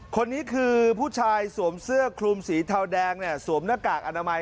คนนี้คือผู้ชายสวมเสื้อคลุมสีเทาแดงเนี่ยสวมหน้ากากอนามัย